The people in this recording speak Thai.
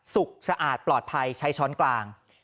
สะอาดปลอดภัยใช้ช้อนกลาง